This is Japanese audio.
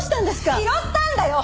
拾ったんだよ！